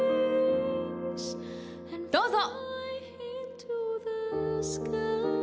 どうぞ。